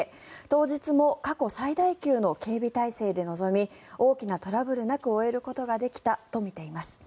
当日も過去最大級の警備態勢で臨み大きなトラブルなく終えることができたとみています。